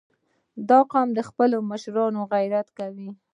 • دا قوم د خپلو مشرانو عزت کوي.